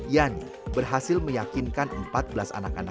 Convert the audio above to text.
yani berhasil meyakinkan empat belas anak anak istimewa dan orang tuanya